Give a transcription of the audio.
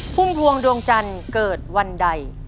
พุ่มพวงดวงจันทร์เกิดวันใด